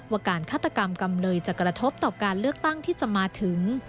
การฆาตกรรมกำเนยจะกระทบต่อการเลือกตั้งที่จะมาถึง